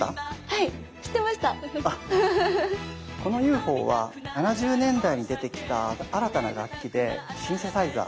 このＵＦＯは７０年代に出てきた新たな楽器でシンセサイザー。